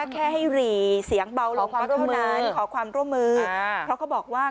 แค่ให้หรี่เสียงเบาลงก็เท่านั้นขอความร่วมมือเพราะเขาบอกว่า